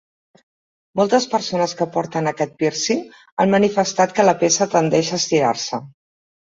Moltes persones que porten aquest pírcing han manifestat que la peça tendeix a estirar-se.